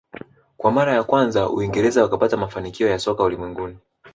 Kwa mara ya kwanza uingereza wakapata mafanikio ya soka ulimwenguni